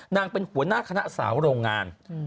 นางเป็นหัวหน้าคณะสาวโรงงาน